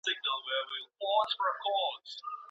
د ښوونځیو په ازموینو کي د ناکامۍ کچه څومره ده؟